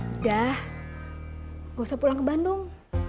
udah gak usah pulang ke bandung